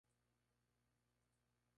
Actuó en los principales teatros holandeses.